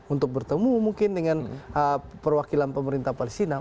untuk bertemu mungkin dengan perwakilan pemerintah palestina